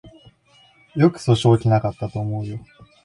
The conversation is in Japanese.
よく訴訟起きなかったと思うよ